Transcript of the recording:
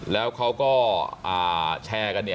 แล้วเขาก็อ่าแชร์กันนี่